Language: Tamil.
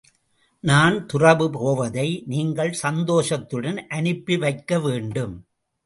நான் துறவு போவதை நீங்கள் சந்தோஷத்துடன் அனுப்பி வைக்க வேண்டும்.